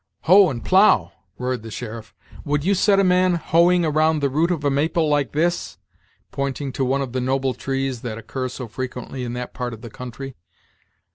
"Hoe and plough!" roared the sheriff; "would you set a man hoeing round the root of a maple like this?" pointing to one of the noble trees that occur so frequently in that part of the country.